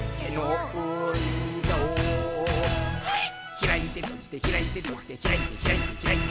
「ひらいてとじてひらいてとじてひらいてひらいてひらいて」